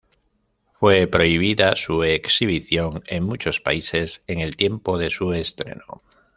Fue prohibida su exhibición en muchos países en el tiempo de su estreno.